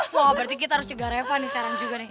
wah berarti kita harus cegah reva nih sekarang juga nih